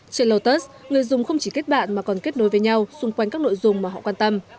trên lotus người dùng không chỉ kết bạn mà còn kết nối với nhau xung quanh các nội dung mà họ quan tâm